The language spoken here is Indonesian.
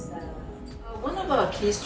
apa pendapat anda tentang itu